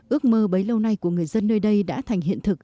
ước mơ bấy lâu nay của người dân nơi đây đã thành hiện thực